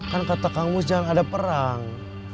kan kata kamu jangan ada perang